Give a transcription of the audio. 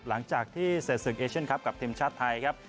หลังจากที่เสร็จศึกเอเชียนคลับกับทีมชาติไทยครับ